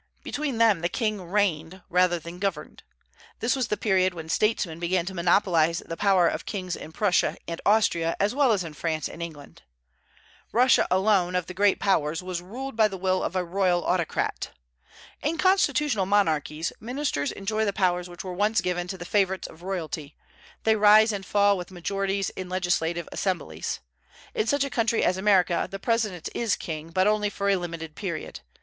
Between them the king "reigned" rather than "governed." This was the period when statesmen began to monopolize the power of kings in Prussia and Austria as well as in France and England. Russia alone of the great Powers was ruled by the will of a royal autocrat. In constitutional monarchies ministers enjoy the powers which were once given to the favorites of royalty; they rise and fall with majorities in legislative assemblies. In such a country as America the President is king, but only for a limited period.